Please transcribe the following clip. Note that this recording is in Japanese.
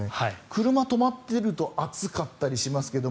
車止まっていると暑かったりしますけど